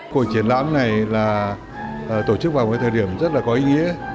cuộc triển lãm này là tổ chức vào một thời điểm rất là có ý nghĩa